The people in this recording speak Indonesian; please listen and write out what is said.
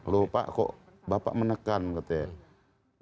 loh pak kok bapak menekan katanya